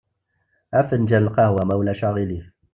Afenǧal n lqehwa, ma ulac aɣilif.